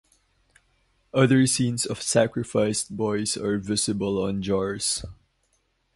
Other scenes of sacrificed boys are visible on jars.